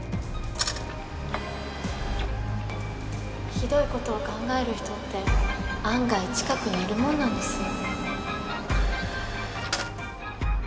ひどい事を考える人って案外近くにいるものなんですよ。